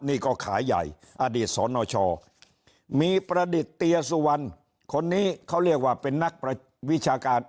นี่ก็ขายใหญ่อดีตสนชมีประดิษฐเตียสุวรรณคนนี้เขาเรียกว่าเป็นนักวิชาการ